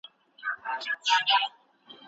زموږ څېړني باید مقطعي نه وي.